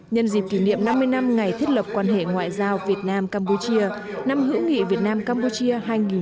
nhân dịp kỷ niệm năm mươi năm ngày thiết lập quan hệ ngoại giao việt nam campuchia năm hữu nghị việt nam campuchia hai nghìn một mươi chín